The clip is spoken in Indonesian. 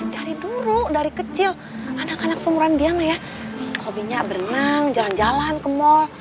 dari dulu dari kecil anak anak seumuran diam ya hobinya berenang jalan jalan ke mall